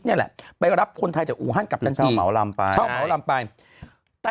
เนี่ยแหละไปรับคนไทยจากอูฮันกลับกันที่เช่าเหมาลำไปเช่าเหมาลำไปแต่